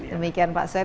demikian pak sweb